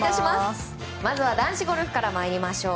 まずは男子ゴルフから参りましょう。